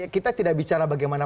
kita tidak bicara bagaimana